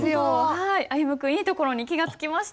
はい歩夢君いいところに気が付きました。